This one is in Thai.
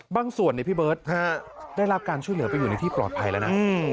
บางส่วนพี่เบิร์ตได้รับการช่วยเหลือไปอยู่ในที่ปลอดภัยแล้วนะ